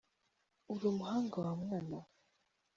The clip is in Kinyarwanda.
Uri umuhanga wa mwana we!